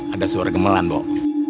ada suara gemelan pok